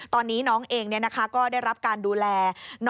ตอนนี้น้องเองก็ได้รับการดูแล